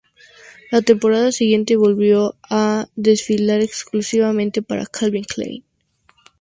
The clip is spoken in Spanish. La temporada siguiente volvió a a desfilar exclusivamente para Calvin Klein.